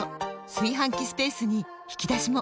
炊飯器スペースに引き出しも！